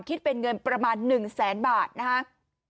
คิดเป็นเงินประมาณ๑แสนบาทนะครับ